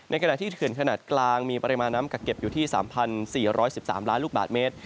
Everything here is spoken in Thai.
ขณะที่เขื่อนขนาดกลางมีปริมาณน้ำกักเก็บอยู่ที่๓๔๑๓ล้านลูกบาทเมตร